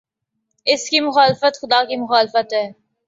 اس کی مخالفت خدا کی مخالفت ہے۔